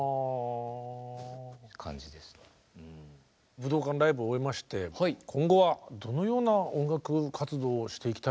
武道館ライブを終えまして今後はどのような音楽活動をしていきたいとお考えですか？